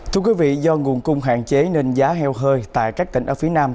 thưa quý vị do nguồn cung hạn chế nên giá heo hơi tại các tỉnh ở phía nam